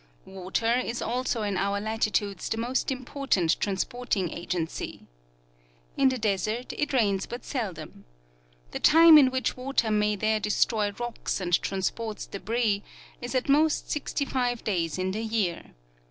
Water is also in our lati tudes the most important transporting agency. In the desert it rains but seldom. The time in which water may there destroy rocks and transport debris is at most 65 days in the year.